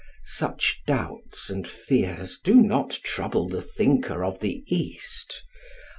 Such doubts and fears do not trouble the thinker of the East.